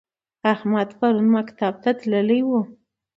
احمدن پرون مکتب ته لاړ و؟